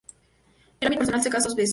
En el ámbito personal, se casó dos veces.